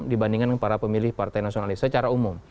dibandingkan para pemilih partai nasionalis secara umum